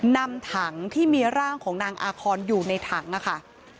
นำถังที่มีร่างของนางอาคอนอยู่ในถังนะคะ